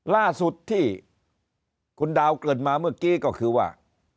ล่าสุดที่คุณดาวเกิดมาเมื่อกี้ก็คือว่า